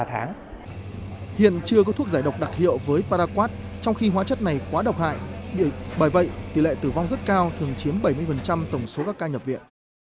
hiện chưa có thuốc giải độc đặc hiệu với paraquad trong khi hóa chất này quá độc hại bởi vậy tỷ lệ tử vong rất cao thường chiếm bảy mươi tổng số các ca nhập viện